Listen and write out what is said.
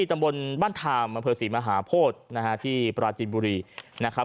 จำบนบ้านธามมาภษีมหาโพธนะฮะที่ปราจิบุรีนะครับ